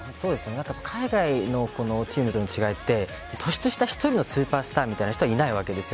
海外のチームとの違いって突出した１人のスーパースターみたいな人いないわけです。